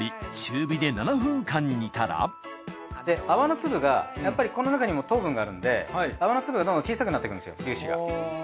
泡の粒がやっぱりこの中にも糖分があるんで泡の粒も小さくなっていくんですよ粒子が。